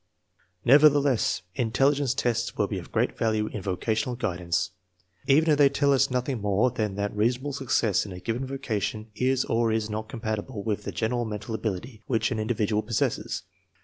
Nevertheless, intelligence tests will be of great value in vocational guidance, even if they tell us noth ing more than that reasonable success in a given voca tion is or is not compatible with the general mental .ability which an individual possesses.